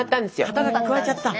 肩書加えちゃった。